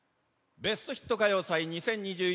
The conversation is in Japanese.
ベストヒット歌謡祭２０２１